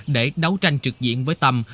để đấu tranh trực diện với tâm